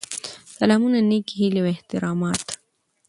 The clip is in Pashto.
سلامونه نیکې هیلې او احترامات.